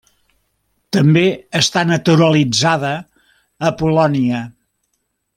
També està naturalitzada a Polònia.